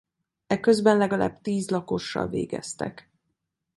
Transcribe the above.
Eközben legalább tíz lakossal végeztek.